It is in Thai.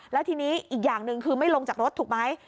แล้วทีนี้อีกอย่างหนึ่งคือไม่ลงจากรถถูกไหม